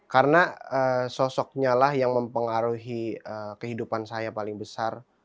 karena sosoknya lah yang mempengaruhi kehidupan saya paling besar